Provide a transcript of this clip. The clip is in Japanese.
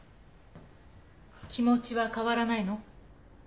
気持ちは変わらないの？